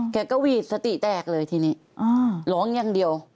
แกก็หวีดสติแตกเลยทีนี้ร้องอย่างเดียว